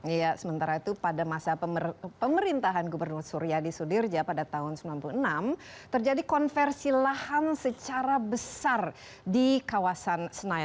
iya sementara itu pada masa pemerintahan gubernur surya di sudirja pada tahun seribu sembilan ratus sembilan puluh enam terjadi konversi lahan secara besar di kawasan senayan